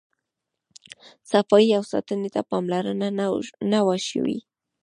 صفایي او ساتنې ته پاملرنه نه وه شوې.